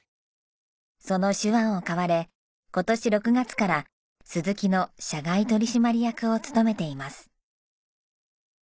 その手腕を買われ今年６月からスズキの社外取締役を務めています。